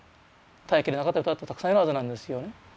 耐えきれなかった方だってたくさんいるはずなんですよね。